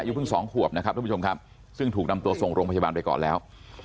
เพิ่งสองขวบนะครับทุกผู้ชมครับซึ่งถูกนำตัวส่งโรงพยาบาลไปก่อนแล้ว